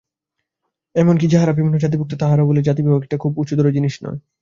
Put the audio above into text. এমন কি যাহারা বিভিন্ন জাতিভুক্ত তাহারাও বলে, জাতিবিভাগ একটা খুব উঁচুদরের জিনিষ নয়।